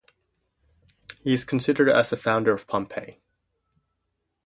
He is considered as the founder of Pompei.